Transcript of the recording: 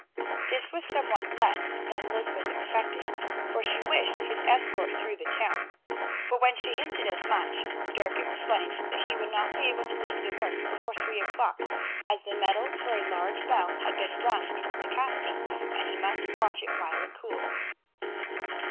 This was somewhat less than Lysbeth expected, for she wished his escort through the town. But, when she hinted as much, Dirk explained that he would not be able to leave the works before three o'clock, as the metal for a large bell had been run into the casting, and he must watch it while it cooled.